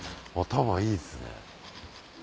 頭いいですね。